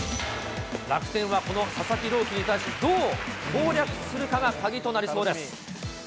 楽天はこの佐々木朗希に対し、どう攻略するかが鍵となりそうです。